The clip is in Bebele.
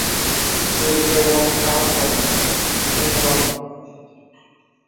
Sùrkə̀ woŋ à ponàn nə iwɔmaŋ.